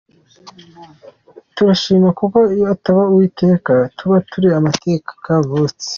'Turashima kuko iyo ataba Uwiteka tuba turi amateka'-Kavutse.